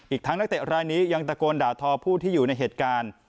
ทั้งนักเตะรายนี้ยังตะโกนด่าทอผู้ที่อยู่ในเหตุการณ์